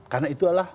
karena itu adalah